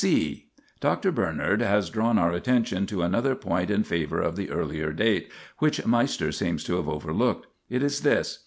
(c) Dr. Bernard has drawn our attention to another point in favour of the earlier date, which Meister seems to have overlooked. It is this.